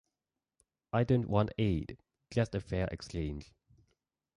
I don't want aid; just a fair exchange.